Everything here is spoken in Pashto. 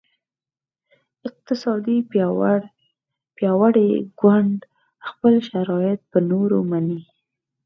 اقتصادي پیاوړی ګوند خپل شرایط په نورو مني